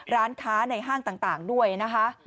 ร้านค้าในห้างต่างด้วยนะคะ